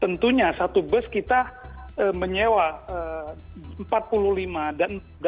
tentunya satu bus kita menyewa empat puluh lima dan dua puluh tiga orang itu sama komponen harganya